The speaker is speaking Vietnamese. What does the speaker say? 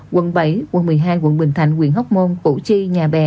quận bảy quận một mươi hai quận bình thạnh quyện hóc môn củ chi nhà bè